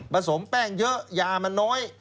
สมแป้งเยอะยามันน้อย